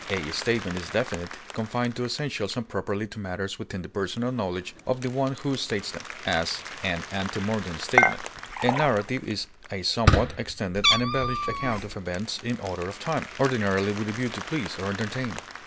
A statement is definite, confined to essentials and properly to matters within the personal knowledge of the one who states them; as, an ante mortem statement. A narrative is a somewhat extended and embellished account of events in order of time, ordinarily with a view to please or entertain.